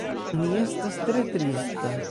Mi estas tre trista.